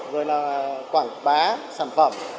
rồi là quảng bá sản phẩm